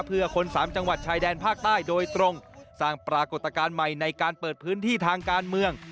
เพื่อคนสามจังหวัดชายแดนภาคใต้โดยตรงสร้างปรากฏการณ์ใหม่ในการเปิดพื้นที่ทางการเมือง